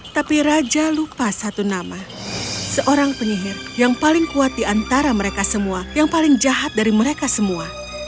tapi raja lupa satu nama seorang penyihir yang paling kuat diantara mereka semua yang paling jahat dari mereka semua